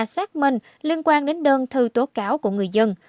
xác minh liên quan đến đơn thư tố cáo của người dân